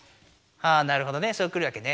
ああなるほどねそうくるわけね。